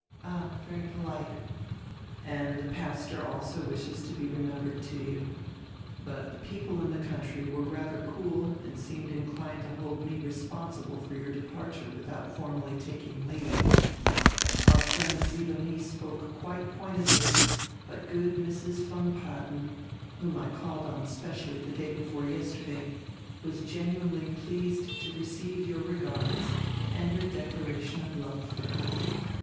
"All, very polite." "And die pastor also wishes to be remembered to you. But die people in die country were rather cool and seemed inclined to hold me responsible for your departure without formally taking leave. Our friend Sidonie spoke quite point edly, but good Mrs. von Padden, whom I called on specially the day before yesterday, was genuinely pleased to receive your regards and your declaration of love for her.